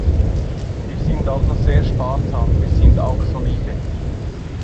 Wir sind also sehr sparsam, wir sind auch solide.